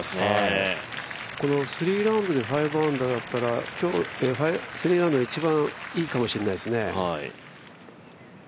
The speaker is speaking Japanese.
この３ラウンドで５アンダーだったら、今日は３ラウンドで一番いいかもしれないですね。